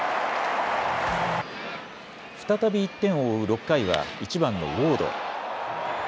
再び１点を追う６回は１番のウォード。